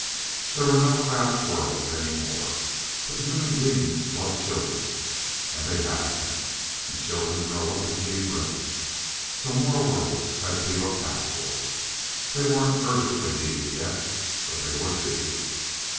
There were no crowded worlds any more. But human beings love children, and they have them. And children grow up and need room. So more worlds had to be looked out for. They weren't urgently needed yet, but they would be.